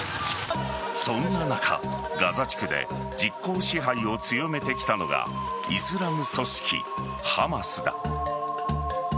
そんな中、ガザ地区で実効支配を強めてきたのがイスラム組織・ハマスだ。